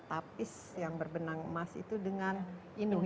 tapis yang berbenang emas itu dengan indonesia